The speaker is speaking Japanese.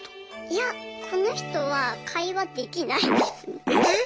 いやこの人は会話できないです。